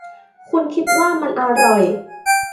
คุณคิดว่ามันอร่อย